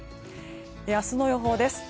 明日の予報です。